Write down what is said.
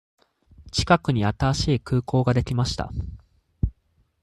近くに新しい空港ができました。